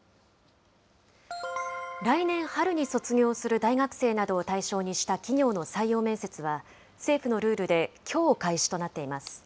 来年春に卒業する大学生などを対象にした企業の採用面接は、政府のルールで、きょう開始となっています。